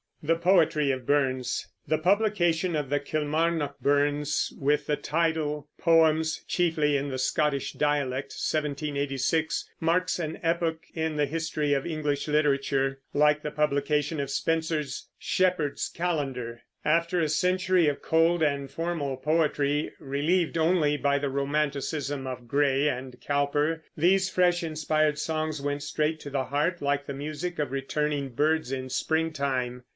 THE POETRY OF BURNS. The publication of the Kilmarnock Burns, with the title Poems Chiefly in the Scottish Dialect (1786), marks an epoch in the history of English Literature, like the publication of Spenser's Shepherd's Calendar. After a century of cold and formal poetry, relieved only by the romanticism of Gray and Cowper, these fresh inspired songs went straight to the heart, like the music of returning birds in springtime.